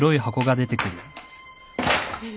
ねえ？